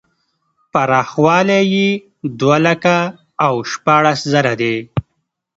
پراخوالی یې دوه لکه او شپاړس زره دی.